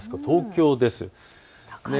東京です。